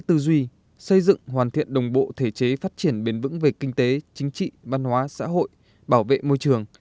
tây ninh đã xây dựng hoàn thiện đồng bộ thể chế phát triển bền vững về kinh tế chính trị văn hóa xã hội bảo vệ môi trường